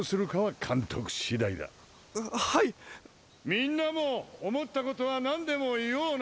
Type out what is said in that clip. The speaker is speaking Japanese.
みんなもおもったことはなんでもいおうな！